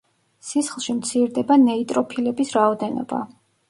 სისხლში მცირდება ნეიტროფილების რაოდენობა.